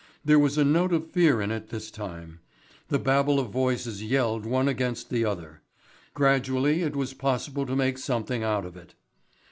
There was a note of fear in it this time. The babel of voices yelled one against the other. Gradually it was possible to make something out of it.